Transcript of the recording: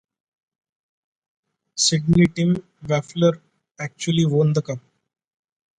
"Sydney" Tim Whiffler actually won the Cup.